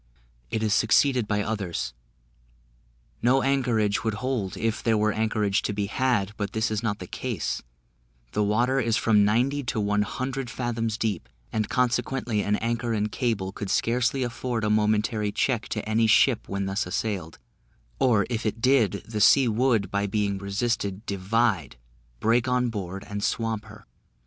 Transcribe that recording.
It is succeeded by others. No anchorage would hold if there were anchorage to be had; but this is not the case; the water is from ninety to one hundred fathoms deep, and consequently an anchor and cable could scarcely afford a momentary check to any ship when thus assailed; or, if it did, the sea would, by being resisted, divide, break on board, and swamp her.